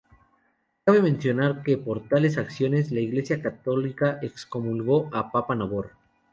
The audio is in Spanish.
Cabe mencionar que por tales acciones, la Iglesia católica excomulgó a "Papá Nabor".